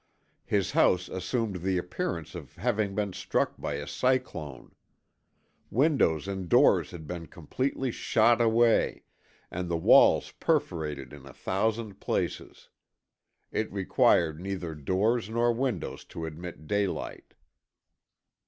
His house assumed the appearance of having been struck by a cyclone. Windows and doors had been completely shot away and the walls perforated in a thousand places. It required neither doors nor windows to admit daylight.